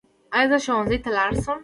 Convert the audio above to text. ایا زه ښوونځي ته لاړ شم؟